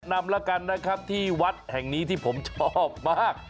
นำแล้วกันนะครับที่วัดแห่งนี้ที่ผมชอบมาก